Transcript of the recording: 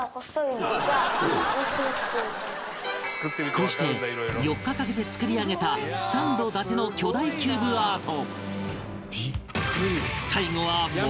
こうして４日かけて作り上げたサンド伊達の巨大キューブアート